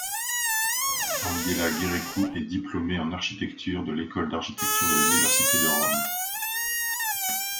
Angela Gerékou est diplômée en architecture de l'École d'architecture de l'Université de Rome.